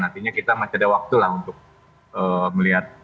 artinya kita masih ada waktu lah untuk melihat